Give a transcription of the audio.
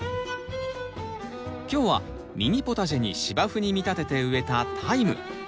今日はミニポタジェに芝生に見立てて植えたタイム。